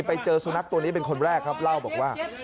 ไปเจอสุนัขตัวนี้เป็นคนแรกครับเล่าบอกว่า